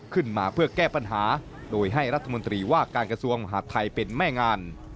ขึ้นมาเพื่อแก้ปัญหาโดยให้รัฐมนตรีว่าการกระทรวงมหาดไทยเป็นแม่งาน